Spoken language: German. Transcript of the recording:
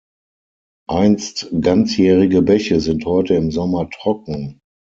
Einst ganzjährige Bäche sind heute im Sommer trocken.